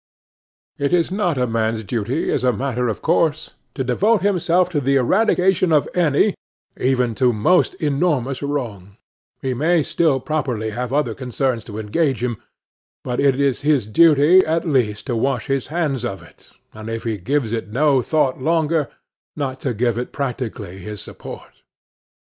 It is not a man's duty, as a matter of course, to devote himself to the eradication of any, even the most enormous wrong; he may still properly have other concerns to engage him; but it is his duty, at least, to wash his hands of it, and, if he gives it no thought longer, not to give it practically his support.